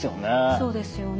そうですよね。